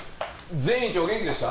前院長お元気でした？